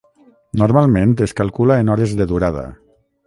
Normalment es calcula en hores de durada.